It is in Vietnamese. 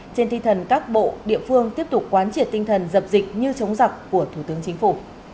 trên thi thần các bộ địa phương tiếp tục quán triệt tinh thần dập dịch như chống giặc của thủ tướng chính phủ